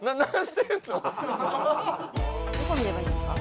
どこ見ればいいんですか？